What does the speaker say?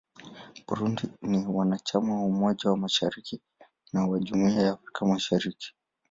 Burundi ni mwanachama wa Umoja wa Afrika na wa Jumuiya ya Afrika Mashariki.